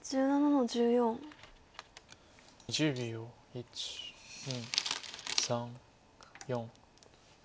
１２３４。